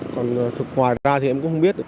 còn thật hoài ra thì em cũng không biết